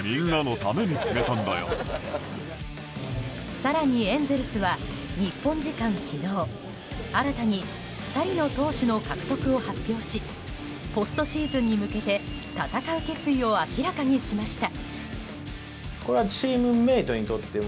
更に、エンゼルスは日本時間昨日新たに２人の投手の獲得を発表しポストシーズンへ向けて戦う決意を明らかにしました。